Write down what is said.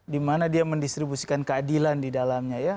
dimana dia mendistribusikan keadilan di dalamnya ya